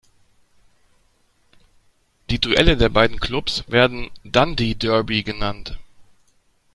Die Duelle der beiden Clubs werden Dundee Derby genannt.